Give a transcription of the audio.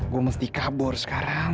gue mesti kabur sekarang